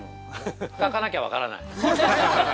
炊かなきゃ分からない。